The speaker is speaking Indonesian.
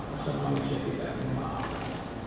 masa manusia tidak memaafkan